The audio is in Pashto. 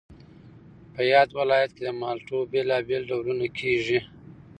په یاد ولایت کې د مالټو بېلابېل ډولونه کېږي